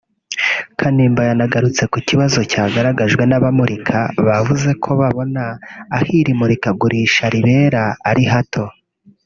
Kanimba yanagarutse ku kibazo cyagaragajwe n’abamurika bavuze ko babona aho iri murikagurisha ribera ari hato